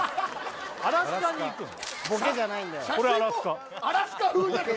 アラスカに行くのボケじゃないんでこれアラスカ？